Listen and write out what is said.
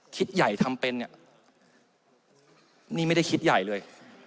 ใหญ่ทำเป็นเนี่ยนี่ไม่ได้คิดใหญ่เลย